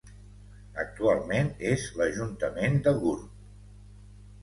Actualment és l'Ajuntament de Gurb.